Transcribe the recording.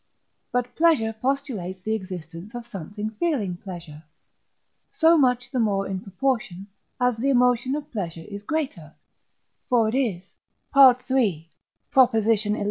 But pleasure postulates the existence of something feeling pleasure, so much the more in proportion as the emotion of pleasure is greater; for it is (III. xi.